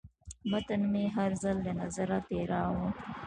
متن مې هر ځل له نظره تېراوه.